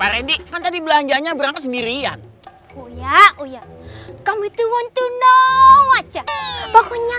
rendy kan tadi belanjanya berangkat sendirian oh ya oh ya kamu itu want to know aja pokoknya